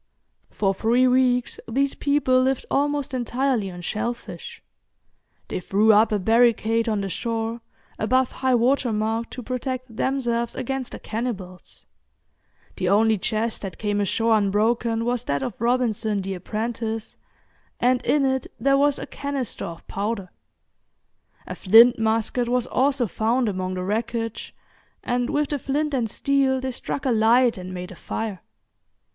For three weeks these people lived almost entirely on shellfish. They threw up a barricade on the shore, above high water mark, to protect themselves against the cannibals. The only chest that came ashore unbroken was that of Robinson the apprentice, and in it there was a canister of powder. A flint musket was also found among the wreckage, and with the flint and steel they struck a light and made a fire.